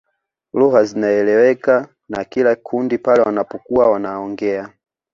Lugha zinaeleweka na kila kundi pale wanapokuwa wanaongea